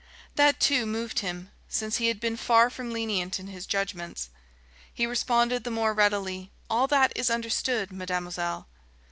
That, too, moved him, since he had been far from lenient in his judgments. He responded the more readily: "All that is understood, mademoiselle."